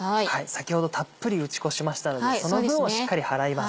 先ほどたっぷり打ち粉しましたのでその分をしっかり払います。